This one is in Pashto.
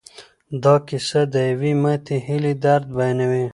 دا کیسه د یوې ماتې هیلې درد بیانوي.